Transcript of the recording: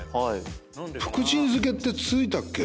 福神漬けって付いたっけ？